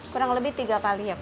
kurang lebih tiga kali